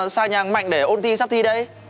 sao mà xa nhàng mạnh để ôn thi sắp thi đây